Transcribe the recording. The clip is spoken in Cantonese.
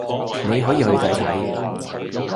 你可以去睇睇